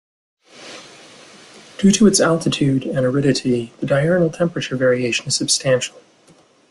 Due to its altitude and aridity, the diurnal temperature variation is substantial.